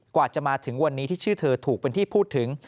กว่าจะมาถึงวันนี้ที่ชื่อเธอถูกเป็นที่พูดถึง